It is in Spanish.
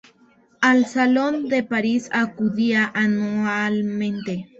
Al Salón de París acudía anualmente.